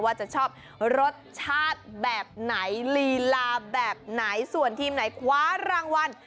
ว่าจะชอบรสชาติแบบไหนลีลาแบบไหนส่วนทีมไหนคว้ารางวัล